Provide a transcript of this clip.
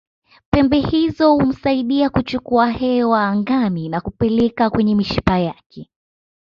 Pembe hizo humsaidia kuchukua hewa angani na kupeleka kwenye mishipa yake